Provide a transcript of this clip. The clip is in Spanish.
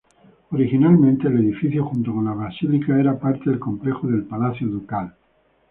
Originalmente el edificio, junto con la Basílica, era parte del complejo del Palacio Ducal.